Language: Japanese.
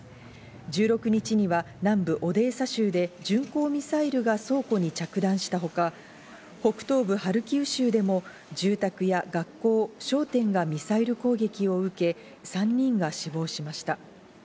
１６日には南部オデーサ州で巡航ミサイルが倉庫に着弾したほか、北東部ハルキウ州でも住宅や学校、商店がミサイル攻撃を受け、３人が死亡しました。